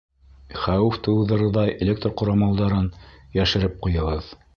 Хәүеф тыуҙырырҙай электр ҡорамалдарын йәшереп ҡуйығыҙ.